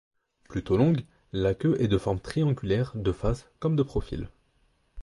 Plutôt longue, la queue est de forme triangulaire de face comme de profil.